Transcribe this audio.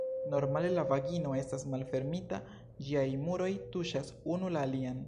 Normale la vagino estas malfermita, ĝiaj muroj tuŝas unu la alian.